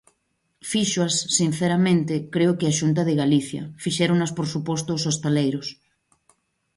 Fíxoas, sinceramente, creo que a Xunta de Galicia, fixéronas por suposto os hostaleiros.